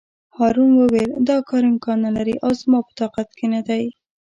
هارون وویل: دا کار امکان نه لري او زما په طاقت کې نه دی.